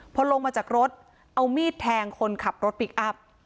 พอลงมาจากรถเอามีดแทงคนขับรถพลิกอัพ